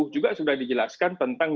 juga sudah dijelaskan tentang